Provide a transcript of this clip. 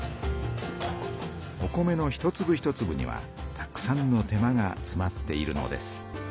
お米の一つぶ一つぶにはたくさんの手間がつまっているのです。